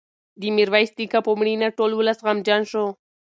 د میرویس نیکه په مړینه ټول ولس غمجن شو.